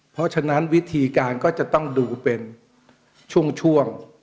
เพราะฉะนั้นวิธีการก็จะต้องดูเป็นช่วง